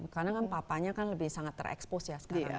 karena kan papanya kan lebih sangat terekspos ya sekarang